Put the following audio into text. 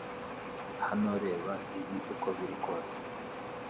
Hano, reba ibi uko biri kose